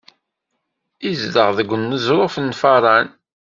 Izdeɣ deg uneẓruf n Faran.